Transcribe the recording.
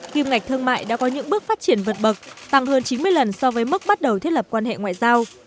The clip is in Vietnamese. kim ngạch thương mại đã có những bước phát triển vượt bậc tăng hơn chín mươi lần so với mức bắt đầu thiết lập quan hệ ngoại giao